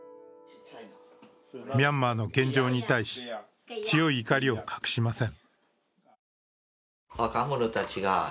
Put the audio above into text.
ミャンマーの現状に対し、強い怒りを隠しません。